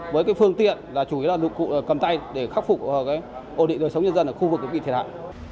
với phương tiện là chủ yếu là lực cụ cầm tay để khắc phục ổn định đời sống nhân dân ở khu vực bị thiệt hại